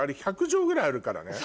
１００畳ぐらいあるからね。